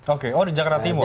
oke oh di jakarta timur